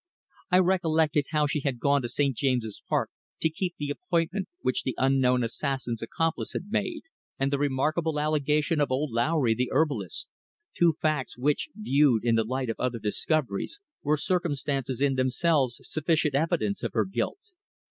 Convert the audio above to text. I recollected how she had gone to St. James's Park to keep the appointment which the unknown assassin's accomplice had made, and the remarkable allegation of old Lowry, the herbalist two facts which, viewed in the light of other discoveries, were circumstances in themselves sufficient evidence of her guilt.